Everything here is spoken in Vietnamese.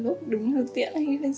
lúc đúng là tiện anh đi lên xe